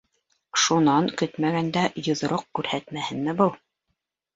Шунан көтмәгәндә йоҙроҡ күрһәтмәһенме был!